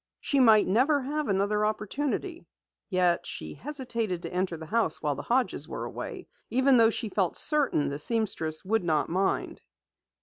She might never have another opportunity. Yet she hesitated to enter the house while the Hodges were away, even though she felt certain the seamstress would not mind.